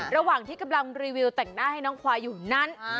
ระหว่างที่กำลังรีวิวแต่งหน้าให้น้องควายอยู่นั้น